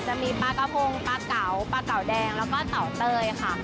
จะมีปลากระพงปลาเก๋าปลาเก๋าแดงแล้วก็เตาเต้ยค่ะ